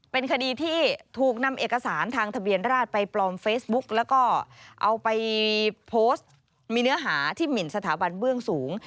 เป็นคดีที่ถูกนำเอกสารทางทะเบียนราชไปปลอมเฟซบุ๊กแล้วก็เอาไปโพสต์มีเนื้อหาที่หมินสถาบันเบื้องสูง